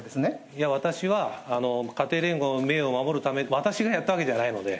いや、私は家庭連合の名誉を守るため、私がやったわけではないので。